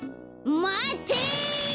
まて！